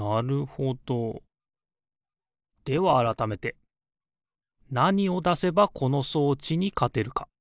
ではあらためてなにをだせばこの装置にかてるか？